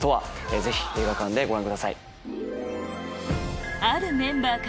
ぜひ映画館でご覧ください！